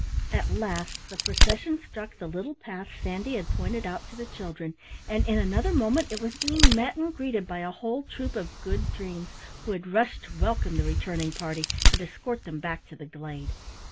At last the procession struck the little path Sandy had pointed out to the children, and in another moment it was being met and greeted by a whole troop of Good Dreams who had rushed to welcome the returning party and escort them back to the glade.